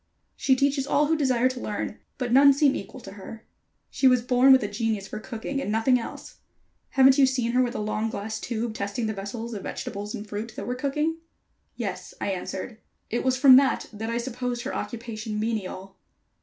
She teaches all who desire to learn, but none seem to equal her. She was born with a genius for cooking and nothing else. Haven't you seen her with a long glass tube testing the vessels of vegetables and fruit that were cooking?" "Yes," I answered. "It was from that that I supposed her occupation menial."